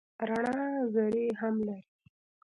رڼا ذرې هم لري.